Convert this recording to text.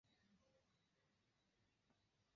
La ino demetas el du ĝis kvar ovojn surgrunde.